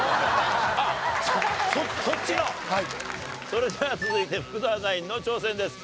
それでは続いて福澤ナインの挑戦です。